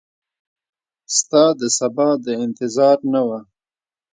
ستا دسبا د انتظار نه وه